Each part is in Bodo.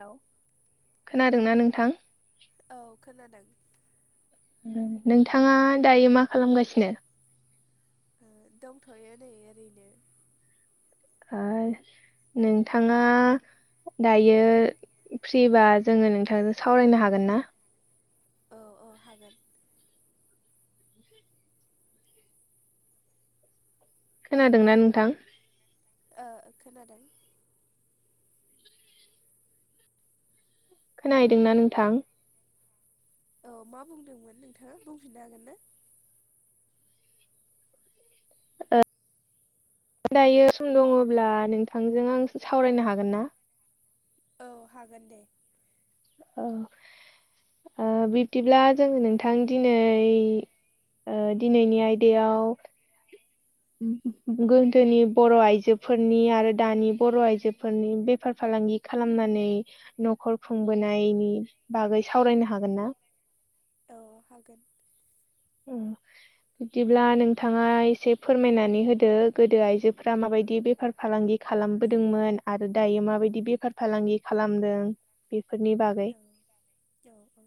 हेलौ खोनादोंना नोंथां? औ खोनादों। नोंथाङा दायो मा खालामगासिनो? ओ दंथयो नै ओरैनो। ओय नोंथाङा दायो फ्रिबा जोङो नोंथांजों सावरायनो हागोन ना? औ औ हागोन। [unintelligible] खोनादोंना नोंथां? ओ खोनादों। खोनाहैदोंना नोंथां? औ मा बुंदोंमोन नोंथाङा बुंफिननो हागोन ना? ओ दायो सम दङब्ला नोंथांजों आं सावरायनो हागोन ना? औ हागोन दे। औ ओ बिब्दिब्ला जोङो नोंथां दिनै ओ दिनैनि आयदायाव [unintelligible] गोदोनि बर आइजोफोरनि आरो दानि बर आइजोफोरनि बेफार फालांगि खालामनानै नखर खुंबोनायनि बागै सावरायनो हागोन ना? औ हागोन। उम बिदिब्ला नोंथाङा एसे फोरमायनानै होदो गोदो आइजोफोरा माबायदि बेफार फालांगि खालामबोदोंमोन आरो दायो माबायदि बेफार फालांगि खालामदों बेफोरनि बागै [unintelligible] औ औ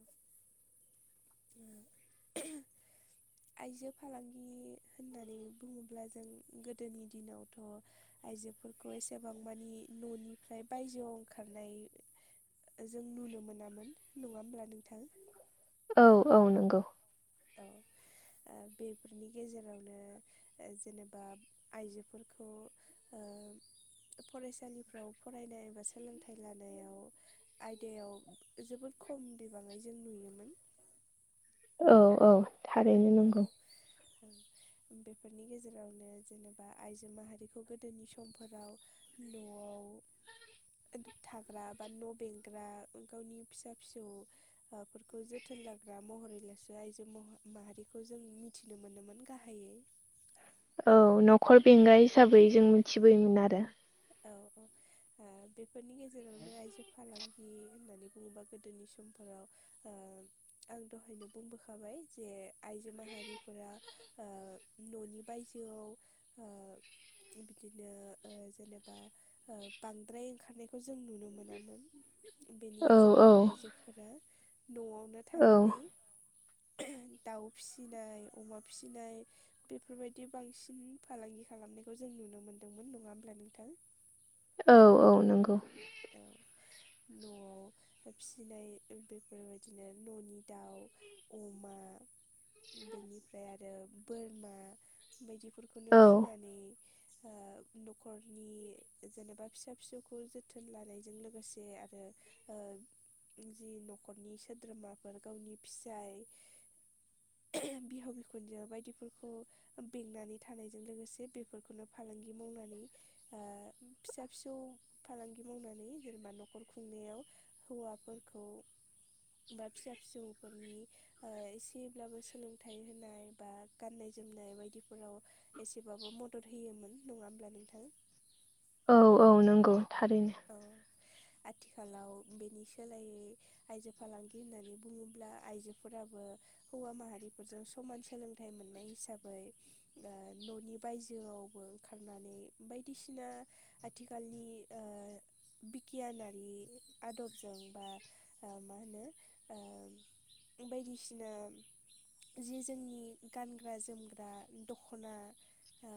[unintelligible] आइजो फालांगि होननानै बुङोब्ला जों गोदोनि दिनावथ' आइजोफोरखौ एसेबां मानि ननिफ्राय बायजोआव ओंखारनाय जों नुनो मोनामोन नङा होमब्ला नोंथां? औ औ नोंगौ। औ। ओ बेफोरनि गेजेरावनो ओ जेनोबा आइजोफोरखौ ओ फरायसालिफ्राव फरायनाय एबा सोलोंथाइ लानायाव आयदायाव जोबोद खम बिबाङै जों नुयोमोन। औ औ। थारैनो औ। नंगौ बेफोरनि गेजेरावनो जेनेबा आइजो माहारिखौ गोदोनि समफोराव न'आव [unintelligible] थाग्रा बा न' बेंग्रा गावनि फिसा फिसौ हौवाफोरखौ जोथोन लाग्रा महरैल'सो आइजो मह माहारि खौ जों मिथिनो मोनोमोन गाहायै। औ नखर बेंनाय हिसाबै जों मिथिबोयोमोन आरो। औ औ। ओ बेफोरनि गेजेरावनो आइजो फालांगि होननानै बुङोबा गोदोनि समफोराव ओ आं दहायनो बुंबोखाबाय जे आइजो माहारिफोरा ओ न'नि बायजोआव ओ बिदिनो ओ जेनो बा ओ बांद्राय ओंखारनायखौ जों नुनो मोनामोन। बेनि औ औ गेजेरावनो आइजोफोरा न'आवनो औ थानानै दाउ फिसिनाय अमा फिसिनाय बेफोरबायदि बांसिन फालांगि खालामनायखौ जों नुनो मोनदोंमोन नङा होमब्ला नोंथां? औ औ नंगौ। औ। न'आव फिसिनाय बेफोरबायदिनो न'नि दाउ अमा बेनिफ्राय आरो बोरमा बायदि फोरखौनो औ फिनानै ओ न'खरनि जेनेबा फिसा फिसौखौ जो थोन लानायजों लोगोसे आरो ओ जि न'खरनि सोद्रोमाफोर गावनि फिसाइ बिहाव-बिखुनजो बायदिफोरखौ बेंनानै थानायजों लोगोसे बेफोरखौनो फालांगि मावनानै ओ फिसा-फिसौ फालांगि मावनानै जेनेबा न'खर खुंनायाव हौवाफोरखौ बा फिसा-फिसौफोरनि ओ एसेब्लाबो सोलोंथाइ होनाय बा गाननाय-जोमनाय बायदिफोराव एसेबाबो मदद होयोमोन नङा होमब्ला नोंथां। औ औ नंगौ थारैनो औ आथिखालाव बेनि सोलायै आइजो फालांगि होननानै बुङोब्ला आइजोफोराबो हौवा माहारिफोरजों समान सोलोंथाइ मोननाय हिसाबै ओ न'नि बायजोआवबो ओंखारनानै बायदिसिना आथिखालनि ओ बिगियानारि आदबजों बा ओ मा होनो ओ बायदिसिना जि जोंनि गानग्रा-जोमग्रा दख'ना ओ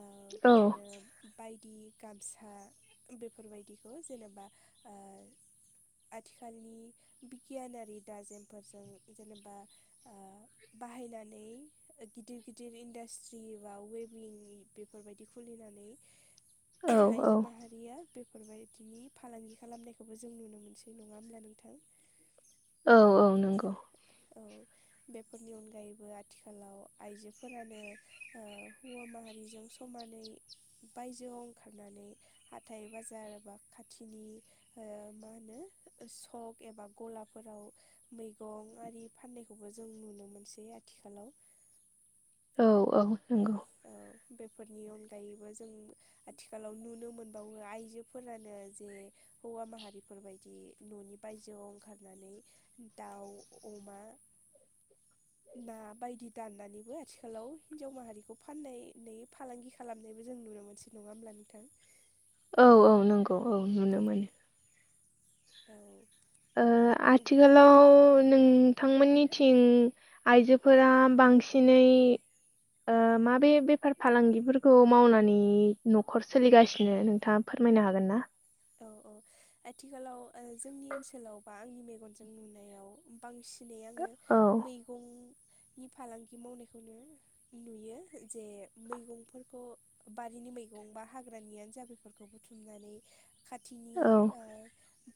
औ बिदिनो बायदि गामसा बे फोरबायदिखौ जेनेबा ओ आथिखालनि बिगियानारि दाजेमफोरजों जेनेबा ओ बाहायनानै गिदिर गिदिर इन्डास्ट्रि बा वेबिं बेफोरबायदि खुलिनानै [inaudible] औ आइजो माहारिया बे फोरबायदिनि फालांगि खालामनायखौबो जों नुनो मोनसै नङा होमब्ला नोंथां। औ औ नंगौ औ बेफोरनि अनगायैबो आथिखालाव आइजोफोरानो ओ हौवा माहारिजों समानै बायजोआव ओंखारनानै हाथाय बाजा र बा खाथिनि ओ मा होनो सक एबा गलाफोराव मैगं आरि फाननायखौबो जों नुनो मोनसै आथिखालाव औ औ नंगौ औ बेफोरनि अनगायैबो जों आथिखालाव नुनो मोनबावो आइजोफोरानो जे हौवा माहारिफोरबायदि न'नि बायजोआव ओंखारनानै दाउ, अमा ना बायदि दाननानैबो आथिखालाव हिनजाव माहारिखौ फाननायनि फालांगि खालामनायबो जों नुनो मोनसे नङा होमब्ला नोंथां। औ औ नंगौ औ नुनो मोनो। औ आथिखालाव नोंथांमोननिथिं आइजोफोरा बांसिनै ओ माबे बेफार फालांगिफोरखौ मावनानै न'खर सोलिगासिनो नोंथाङा फोरमायनो हागोन ना औ औ आथिखालाव ओ जोंनि ओनसोलाव बा आंनि मेगनजों नुनायाव बांसिन दिनै आङो औ मैगंनि फालांगि मावनायखौनो नुयो जे मैगंफोरखौ बारिनि मैगं बा हाग्रानियानो जा बेफोरखौ बुथुमनानै खाथिनि औ ओ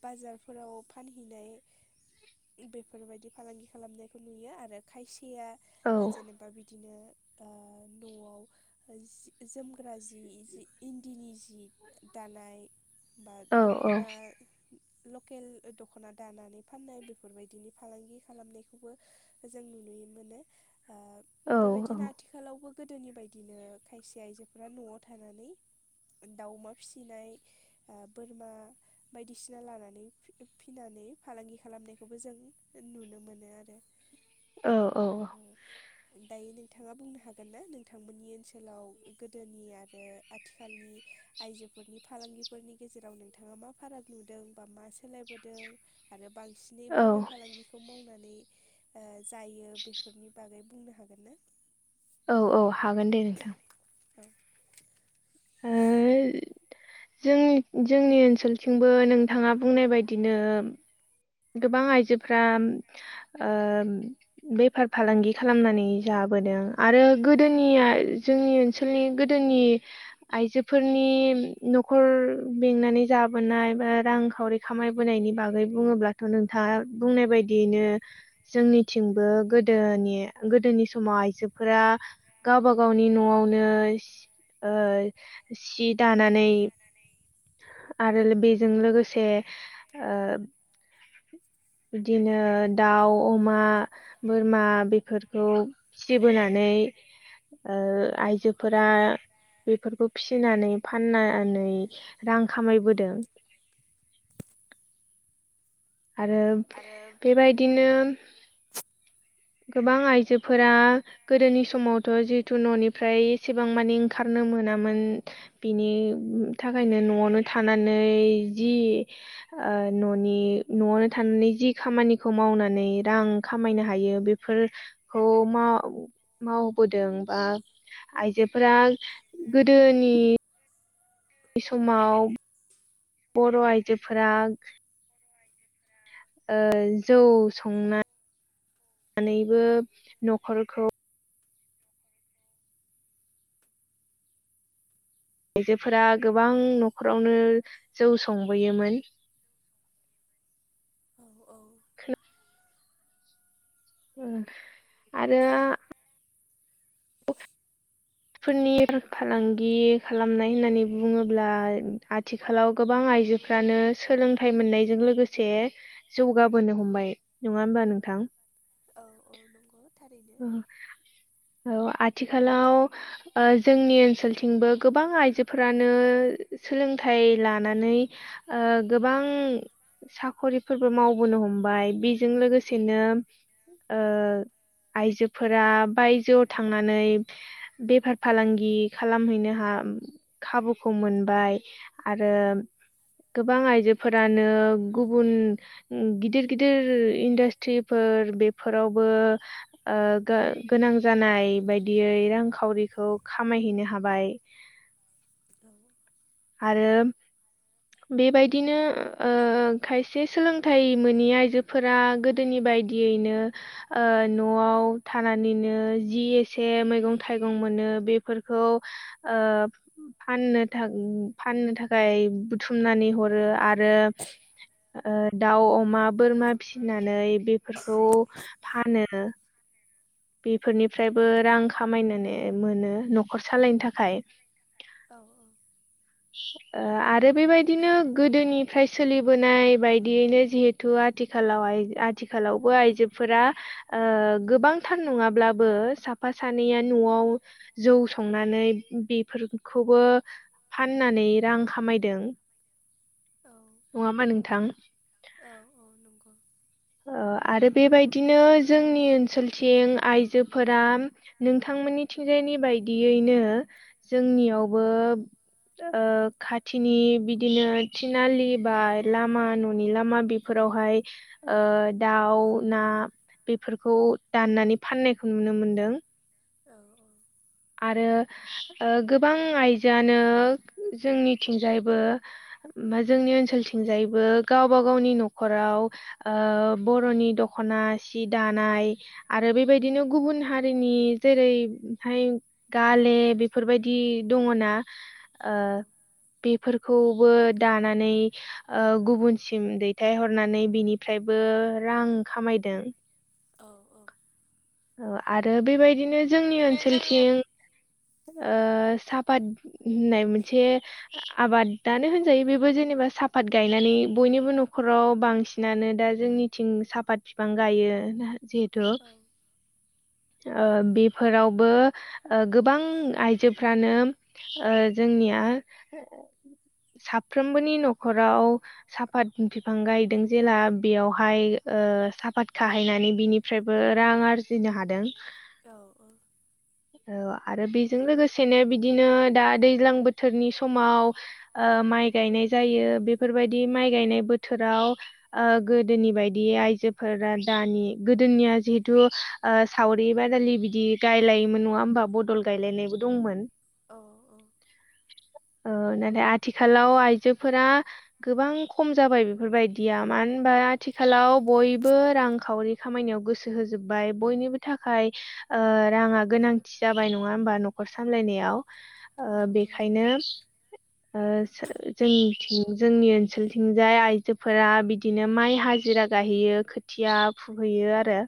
बाजारफोराव फानहैनाय बेफोरबायदि फालांगि खालामनायखौ नुयो आरो खायसेया औ जेनेबा बिदिनो ओ न'आव जोमग्रा जि इन्दिनि जि दानाय बा औ दख'ना लकेल दख'ना दानानै फाननाय बेफोरबायदिनि फालांगि खालामनायखौबो जों नुनो मोनो ओ औ बेबायदिनो आथि आथिखालावबो गोदोनि बायदिनो खायसे आयजोफोरा न'आव थानानै दाउ अमा फिसिनाय ओ बोरमा बायदिसिना लानानै फिनानै फालांगि खालामनायखौबो जों नुनो मोनो आरो औ औ अ दायो नोंथांङा बुंनो हागोन ना नोंथांमोननि ओनसोलाव गोदोनि आरो आथिखालनि आइजोफोरनि फालांगिफोरनि गेजेराव नोंथांङा मा फाराग नुदों बा मा सोलायबोदों आरो बांसिनै औ बबे फालांगि बेखौ मावनानै जायो बेफोरनि बागै बुंनो हागोन ना औ औ हागोन दे नोंथां औ ओ जोंनि जोंनि ओनसोलथिंबो नोंथांङा बुंनाय बायदिनो गोबां आइजोफ्रा ओ बेफार फालांगि खालामनानै जाबोदों आरो गोदोनिया जोंनि ओनसोलनि गोदोनि आइजोफोरनि न'खर बेंनानै जाबोनाय बा रांखावरि खामायबोनायनि बागै बुङोब्लाथ' नोंथांङा बुंनाय बायदियैनो जोंनिथिंबो गोदोनि गोदोनि समाव आइजोफोरा गावबा गावनि न'आवनो ओ सि दानानै आरो बेजों लोगोसे ओ बिदिनो दाउ अमा बोरमा बेफोरखौ फिबोनानै ओ आइजोफोरा बेफोरखौ फिनानै फाननानै रां खामायबोदों आरो बेबायदिनो गोबां आइजोफोरा गोदोनि समावथ' जिहेतु न'निफ्राय एसेबां माने ओंखारनो मोनामोन। बिनि थाखायनो न'आवनो थानानै जि ओ न'नि न'आवनो थानानै जि खामानिखौ मावनानै रां खामायनो हायो बे फोर खौ मावबोदों बा आयजोफोरा गोदोनि बे समाव बर' आइजोफोरा ओ जौ संनानैबो न'खरखौ आइजोफोरा गोबां न'खरावनो जौ संबोयोमोन। औ औ [unintelligible] आरो फोरनि फालांगि खालामनाय होननानै बुङोब्ला आथि खालाव गोबां आइजोफ्रानो सोलोंथाइ मोननायजों लोगोसे जौगाबोनो हमबाय नङा होमबा नोंथां औ औ नंगौ थारैनो औ आथिखालाव ओ जोंनि ओनसोलथिंबो गोबां आइजोफोरानो सोलोंथाइ लानानै ओ गोबां साख'रिफोरबो मावबोनो हमबाय बेजों लोगोसेनो आइजोफोरा बायजोआव थांनानै बेफार फालांगि खालामहैनो हा खाबुखौ मोनबाय आरो गोबां आइजोफोरानो गुबुन गिदिर गिदिर इन्डास्ट्रिफोर बेफोरावबो गोनां जानाय बायदियै रांखावरिखौ खामायहैनो हाबाय [inaudible] आरो बेबायदिनो खायसे सोलोंथाइ मोनि आइजोफोरा गो गोदोनि बायदियैनो न'आव थानानैनो जि एसे मैगं थाइगं मोनो बेफोरखौ फाननो फाननो थाखाय बुथुमनानै हरो आरो ओ दाउ मा बोरमा फिनानै बेफोरखौ फानो औ बेफोरनिफ्रायबो रां खामायनानै मोनो न'खर सालायनो थाखाय औ औ [inaudible] ओ आरो बेबायदिनो गोदोनिफ्राय सोलिबोनाय बायदियैनो जिहुते थ आथिखालाव आइ आथिखालावबो आइजोफोरा ओ गोबां थार नंङाब्लाबो साफा सानैया न'आव जौ संनानै बेफोरखौबो फाननानै रां खामायदों औ नंङा होमबा नोंथां औ औ नंगौ ओ आरो बेबायदिनो जोंनि ओनसोलथिं आइजोफोरा नोंथांमोननिथिंजायनि बायदियैनो जोंनियावबो खाथिनि बिदिनो थिनालि बा लामा न'नि लामा बे फोरावहाय दाउ ना बेफोरखौ दाननानै फाननायखौ नुनो मोनदों औ औ आरो गोबां आइजोआनो जोंनिथिंजायबो मा जोंनि ओनसोलथिंजायैबो गावबा गावनि न'खराव बर'नि दख'ना सि दानाय आरो बेबायदिनो गुबुन हारिनि जेरैहाय गाले बेफोरबायदि दङ ना औ बेफोरखौबो दानानै ओ गुबुनसिम दैथायहरनानै बिनिफ्रायबो रां खामायदों औ औ औ आरो बेबायदिनो जोंनि बिदिनो ओनसोलथिं ओ साफात होननाय मोनसे आबादानो होनजायो बेबो जेनेबा साफात गायनानै बयनिबो न'खराव बांसिन बिनानो दा जोंनिथिं साफात बिफां गायो जिहेथु ओ बेफोरावबो ओ गोबां आइजोफ्रानो ओ जोंनिया साफ्रोमबोनि न'खराव साफात बिफां गायदों जेला बेयावहाय ओ साफाद खाहायनानै बिनि निफ्रायबो रां आरजिनो हादों औ औ [inaudible] औ आरो बेजों लोगोसेनो बिदिनो दा दैज्लां बोथोरनि समाव ओ माइ गायनाय जायो बेफोरबायदि माइ गायनाय बोथोराव ओ गोदोनि बायदि आयजोफोरा दानि गोदोनिया जिहेथु ओ सावरि बादालि बिदि गायलायोमोन नंङा होमबा बदल गायलायनायबो दंमोन। औ औ औ नाथाय आथिखालाव आइजोफोरा गोबां खम जाबाय बेफोरबायदिया मानो होनबा आथिखालाव बयबो रांखावरि खामायनायाव गोसो होजोब्बाय बयनिबो थाखाय ओ राङा गोनांथि जाबाय नङा होमबा न'खर सामलायनायाव। औ ओ औ नंगौ बेखायनो ओ जों जोंनि ओनसोलथिंजाय आइजोफोरा बि बिदिनो माइ हाजिरा गायहैयो खोथिया फुहैयो आरो।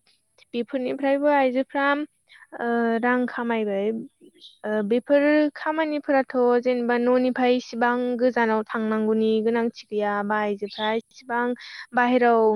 औ बेफोरनिफ्रायबो आइजोफ्रा ओ रां खामायबाय। ओ बेफोर खामानिफोराथ' जेनेबा न'निफाय इसिबां गोजानाव थांनांगौनि गोनांथि थि गैया आयजोफ्रा इसिबां बायहेराव